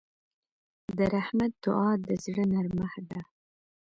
د رحمت دعا د زړه نرمښت ده.